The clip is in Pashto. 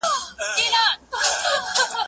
هغه څوک چي لوښي وچوي منظم وي،